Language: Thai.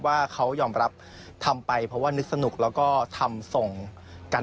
ว่าเขายอมรับทำไปเพราะว่านึกสนุกแล้วก็ทำส่งกัน